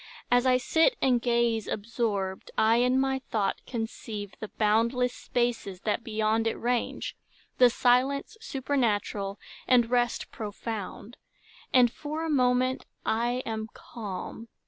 As I sit And gaze, absorbed, I in my thought conceive The boundless spaces that beyond it range, The silence supernatural, and rest Profound; and for a moment I am calm.